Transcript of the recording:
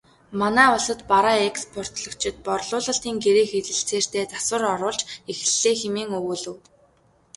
Манай улсад бараа экспортлогчид борлуулалтын гэрээ хэлэлцээртээ засвар оруулж эхэллээ хэмээн өгүүлэв.